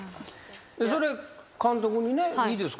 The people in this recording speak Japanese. それ監督にねいいですか？